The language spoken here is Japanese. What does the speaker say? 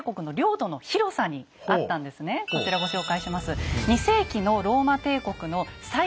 こちらご紹介します。